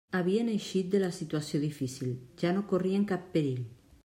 Havien eixit de la situació difícil; ja no corrien cap perill.